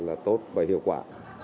và là tốt và hiệu quả